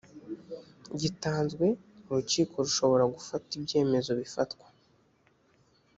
gitanzwe urukiko rushobora gufata ibyemezo bifatwa